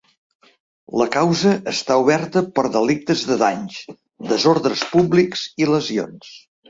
La causa està oberta per delictes de danys, desordres públics i lesions.